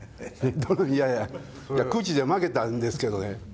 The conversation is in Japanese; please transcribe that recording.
いやいや、くじで負けたんですけどね。